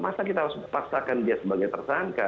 masa kita harus paksakan dia sebagai tersangka